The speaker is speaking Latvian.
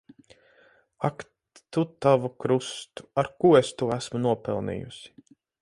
Ak tu tavu krustu! Ar ko es to esmu nopelnījusi.